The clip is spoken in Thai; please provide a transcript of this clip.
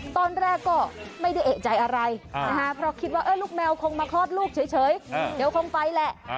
ตอนแรกก็ไม่ได้เอกใจอะไรเพราะคิดว่าลูกแมวคงมาคลอดลูกเฉยเดี๋ยวคงไปแหละ